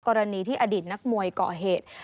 กรณีที่อดีตนักมวยก่อเหตุ